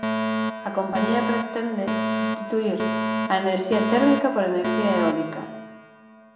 A compañía pretende substituír a enerxía térmica por enerxía eólica.